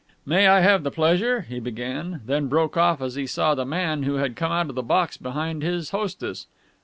"May I have the pleasure...?" he began, then broke off as he saw the man who had come out of the box behind his hostess.